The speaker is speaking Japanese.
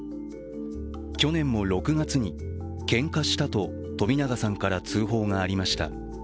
去年も６月に「けんかした」と冨永さんから通報がありました。